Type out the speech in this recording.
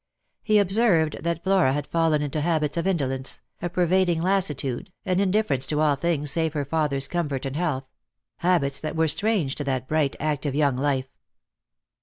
He observed that Flora had fallen into habits of indolence, a pervading lassi tude, an indifference to all things save her father's comfort and health — habits that were strange to that bright, active, young life.